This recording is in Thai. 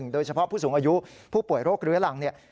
โดยเฉพาะผู้สูงอายุผู้ป่วยโรคเรื้อรังเนี่ย